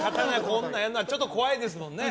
こんなんやるのはちょっと怖いですもんね？